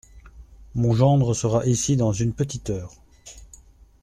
Mon gendre sera ici dans une petite heure…